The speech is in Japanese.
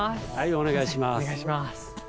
お願いします。